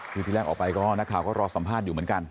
คือที่แรกออกไปก็นักข่าวก็รอสัมภาษณ์อยู่เหมือนกัน